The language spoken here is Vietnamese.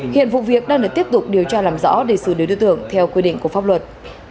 hiện vụ việc đang được tiếp tục điều tra làm rõ để xử lý đối tượng theo quy định của pháp luật